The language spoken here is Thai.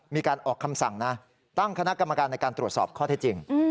มีการออกคำสั่งนะตั้งคณะกรรมการในการตรวจสอบข้อเท็จจริง